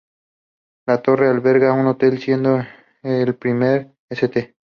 La torre alberga un hotel siendo este el primer St.